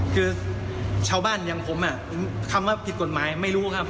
คือชาวบ้านอย่างผมคำว่าผิดกฎหมายไม่รู้ครับ